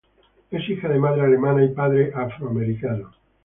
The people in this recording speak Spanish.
Es hija de madre alemana y padre afroamericano.